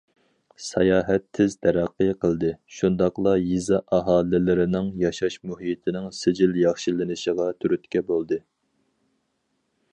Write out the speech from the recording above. ساياھەت تېز تەرەققىي قىلدى، شۇنداقلا يېزا ئاھالىلىرىنىڭ ياشاش مۇھىتىنىڭ سىجىل ياخشىلىنىشىغا تۈرتكە بولدى.